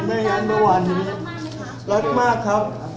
ไม่งั้นประวัตินี้รักมากครับ